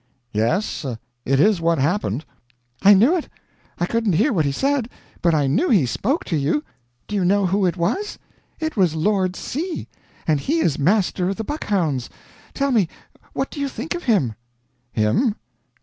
"'Yes, it is what happened.' "'I knew it! I couldn't hear what he said, but I knew he spoke to you! Do you know who it was? It was Lord C., and he is Master of the Buckhounds! Tell me what do you think of him?' "'Him?